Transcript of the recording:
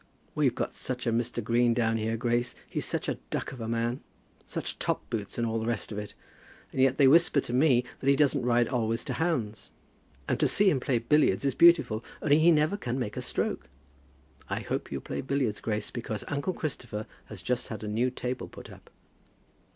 We've got such a Mr. Green down here, Grace. He's such a duck of a man, such top boots and all the rest of it. And yet they whisper to me that he doesn't ride always to hounds. And to see him play billiards is beautiful, only he never can make a stroke. I hope you play billiards, Grace, because uncle Christopher has just had a new table put up."